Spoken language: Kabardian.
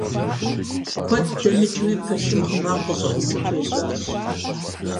Куэд дэмыкӀыуи пэшым гъы макъ къыщӀэӀукӀыу хуежьащ.